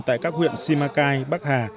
tại các huyện simacai bắc hà